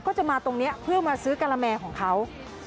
ก็จะมาตรงนี้เพื่อมาซื้อกะละแมของเขา